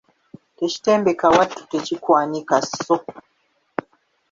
Tekitembeka wattu tekikwanika sso.